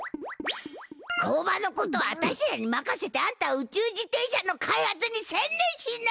工場のことはあたしらにまかせてあんたは宇宙自転車の開発にせんねんしな！